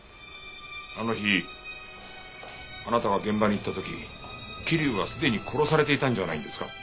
あの日あなたが現場に行った時桐生はすでに殺されていたんじゃないんですか？